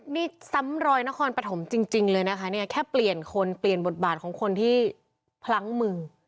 นี่ซ้ำรอยนครปฐมจริงเลยนะคะเนี่ยแค่เปลี่ยนคนเปลี่ยนบทบาทของคนที่พลั้งมือ